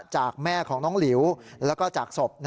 จากแม่ของน้องหลิวแล้วก็จากศพ